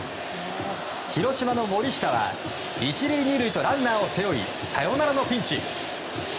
広島の森下は１塁２塁とランナーを背負いサヨナラのピンチ。